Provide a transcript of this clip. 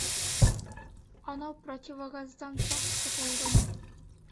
Анау противогаздан саҡ ҡотолдом.